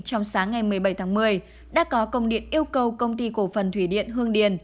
trong sáng ngày một mươi bảy tháng một mươi đã có công điện yêu cầu công ty cổ phần thủy điện hương điền